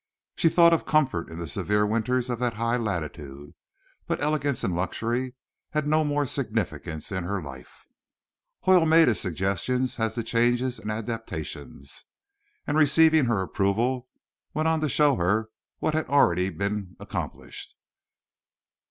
She thought of comfort in the severe winters of that high latitude, but elegance and luxury had no more significance in her life. Hoyle made his suggestions as to changes and adaptations, and, receiving her approval, he went on to show her what had been already accomplished.